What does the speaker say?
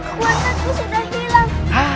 kekuatan ku sudah hilang